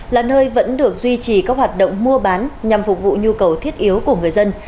là nơi vẫn được duy trì các hoạt động mua bán nhằm phục vụ nhu cầu thiết yếu của người dân